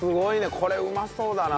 これうまそうだな。